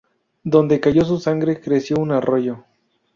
Donde cayó su sangre creció un arroyo.